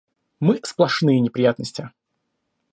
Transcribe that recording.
Мы сплошные неприятности!